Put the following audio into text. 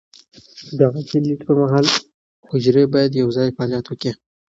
د عادي لید پر مهال، حجرې باید یوځای فعالیت وکړي.